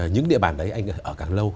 những địa bản đấy anh ở càng lâu